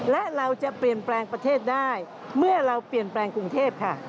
และเราจะเปลี่ยนแปลงประเทศได้เมื่อเราเปลี่ยนแปลงกรุงเทพค่ะ